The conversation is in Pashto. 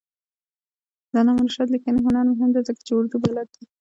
د علامه رشاد لیکنی هنر مهم دی ځکه چې اردو بلد دی.